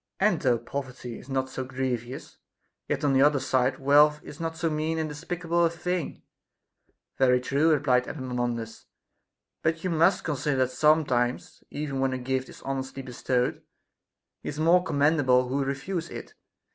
And though poverty is not so grievous, yet on the other side, wealth is not so mean and despicable a thing. Very true, replied Epaminondas ; but you must consider that sometimes, even when a gift is honestly bestowed, he is more commendable who refuses it.